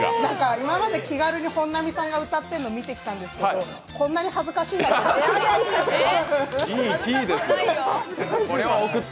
今まで気軽に本並さんが歌ってるの見てきたんですけど、こんなに恥ずかしいんだって。